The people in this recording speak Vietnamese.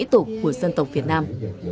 các tổ của dân tộc việt nam